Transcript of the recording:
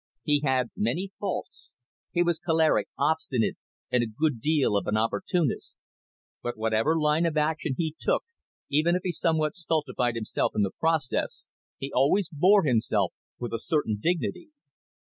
He had many faults; he was choleric, obstinate, and a good deal of an opportunist. But whatever line of action he took, even if he somewhat stultified himself in the process, he always bore himself with a certain dignity.